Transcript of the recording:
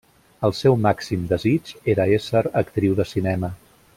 El seu màxim desig era ésser actriu de cinema.